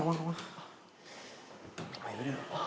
ไหวปะเดี๋ยว